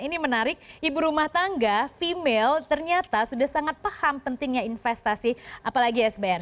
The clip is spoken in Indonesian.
ini menarik ibu rumah tangga female ternyata sudah sangat paham pentingnya investasi apalagi sbr